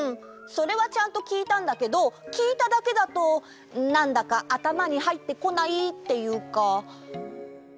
それはちゃんときいたんだけどきいただけだとなんだかあたまにはいってこないっていうか。